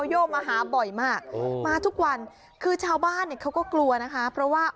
อยู่ตำบลสำโรงใหม่อำเภอระหารสาย